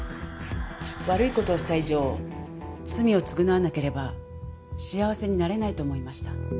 悪い事をした以上罪を償わなければ幸せになれないと思いました」